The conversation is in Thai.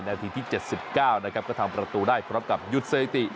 นาทีที่๗๙นะครับก็ทำประตูได้พร้อมกับหยุดสถิติ